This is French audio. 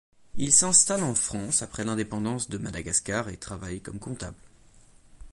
Il s'installe en France après l'indépendance de Madagascar et travaille comme comptable.